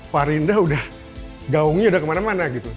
parinda udah gaungnya udah kemana mana gitu